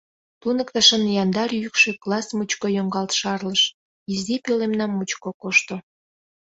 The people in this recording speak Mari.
Туныктышын яндар йӱкшӧ класс мучко йоҥгалт шарлыш, изи пӧлемна мучко кошто.